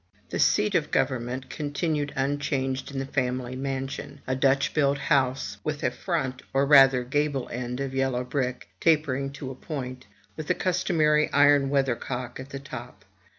The seat of government continued unchanged in the family mansion: — a Dutch built house, with a front, or rather gable end of yellow brick, tapering to a point, with the customary iron weather cock at the top.